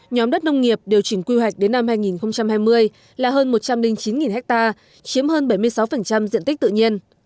nhóm đất nông nghiệp điều chỉnh quy hoạch đến năm hai nghìn hai mươi là hơn một trăm linh chín ha chiếm hơn bảy mươi sáu diện tích tự nhiên